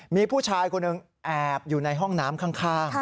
มีผู้ชายคนหนึ่งแอบอยู่ในห้องน้ำข้าง